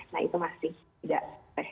nah itu masih tidak